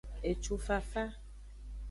Ecufafa.